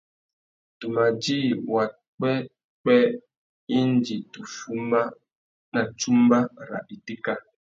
Tu ma djï wapwêpwê indi tu fuma na tsumba râ itéka.